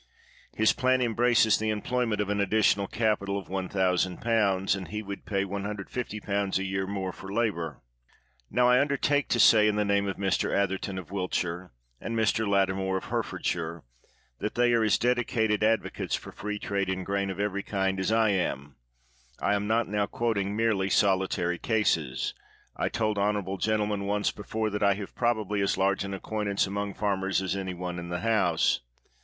His plan embraces the em plo\Tnent of an additional capital of 1,000/. ; and be would pay 150/. a year more for labor. Now, I undertake to say, in the name of Mr. Atherton, of Wiltshire, and Mr. Lattimore, of Hertfordshire, that they are as decided advo cates for free trade in grain of every kind as I am. I am not now quoting merely solitary cases. I told honorable gentlemen once before that I have probably as large an acquaintance among farmers as any one in the House.